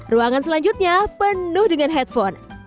ruangan selanjutnya penuh dengan headphone